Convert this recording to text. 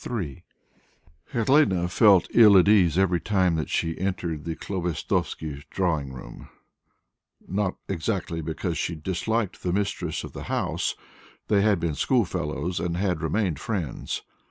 III Helene felt ill at ease every time that she entered the Khlobestovsky's drawing room, not exactly because she disliked the mistress of the house; they had been school fellows and had remained friends.